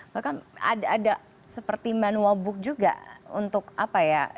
bahkan ada seperti manual book juga untuk apa ya